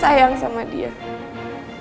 karena lo ngerasa gue bermain